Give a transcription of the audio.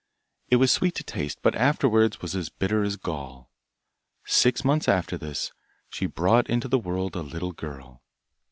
It was sweet to taste, but afterwards was as bitter as gall. Six months after this, she brought into the world a little girl.